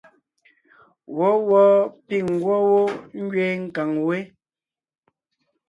Wɔ̌wɔɔ píŋ ngwɔ́ wó ngẅeen nkàŋ wé.